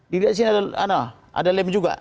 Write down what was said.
dilihat di sini ada lem juga